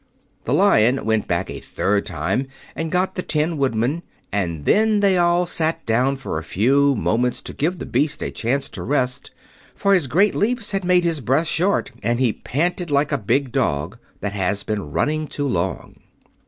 The Lion went back a third time and got the Tin Woodman, and then they all sat down for a few moments to give the beast a chance to rest, for his great leaps had made his breath short, and he panted like a big dog that has been running too long.